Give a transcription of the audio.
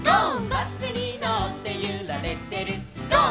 「バスにのってゆられてるゴー！